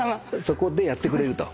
そこでやってくれると。